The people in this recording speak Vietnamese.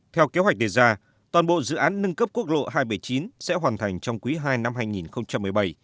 theo kế hoạch đề ra toàn bộ dự án nâng cấp quốc lộ hai trăm bảy mươi chín sẽ hoàn thành trong quý ii năm hai nghìn một mươi bảy